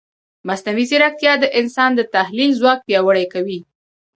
مصنوعي ځیرکتیا د انسان د تحلیل ځواک پیاوړی کوي.